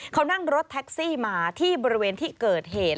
เขานั่งรถแท็กซี่มาที่บริเวณที่เกิดเหตุ